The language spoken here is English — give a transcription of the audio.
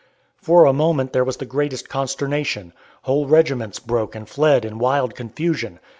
For a moment there was the greatest consternation. Whole regiments broke and fled in wild confusion.